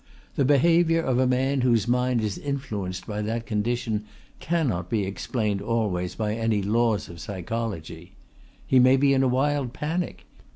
The behaviour of a man whose mind is influenced by that condition cannot be explained always by any laws of psychology. He may be in a wild panic.